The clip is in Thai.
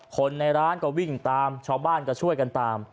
คนในร้านก็วิ่งตามชาวบ้านก็ช่วยกันตาม